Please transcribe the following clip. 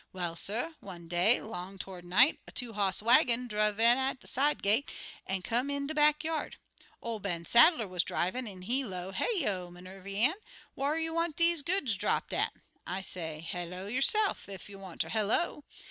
Well, suh, one day, long to'rds night, a two hoss waggin driv' in at de side gate an' come in de back yard. Ol' Ben Sadler wuz drivin', an' he low, 'Heyo, Minervy Ann, whar you want deze goods drapped at?' I say, 'Hello yo'se'f, ef you wanter hello.